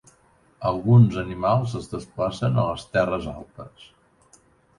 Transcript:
Alguns animals es desplacen a les terres altes.